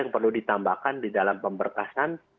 yang perlu ditambahkan di dalam pemberkasan